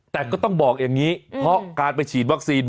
แต่ก็ต้องบอกอย่างนี้เพราะการไปฉีดวัคซีน